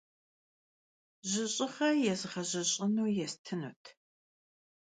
Jış'ığe yêzğejış'ınu yêstınut.